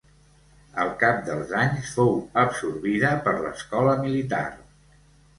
Al cap dels anys, fou absorbida per l'Escola Militar.